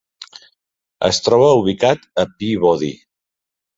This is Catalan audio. Es troba ubicat a Peabody.